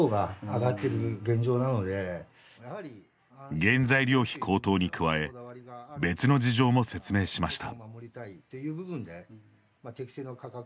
原材料費高騰に加え別の事情も説明しました。